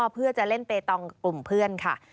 เพื่อจะเล่นเปตองกลุ่มเพื่อนค่ะ